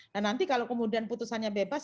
dan nanti kalau kemudian putusannya bebas